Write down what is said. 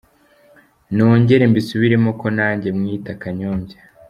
Nongere mbisubiremo ko nanjye mwita Kanyombya.